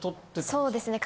そうですね。